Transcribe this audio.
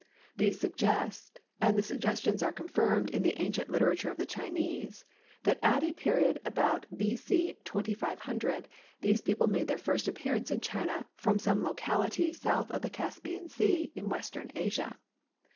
These suggest, and the suggestions are confirmed in the ancient literature of the Chinese, that at a period about B. C. 2500, these people made their first appearance in China from some locality south of the Caspian Sea, in western Asia.